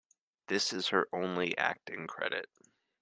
This is her only acting credit.